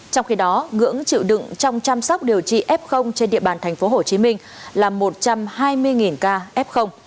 trong khi đó ngưỡng chịu đựng trong chăm sóc điều trị f trên địa bàn tp hcm là một trăm hai mươi ca f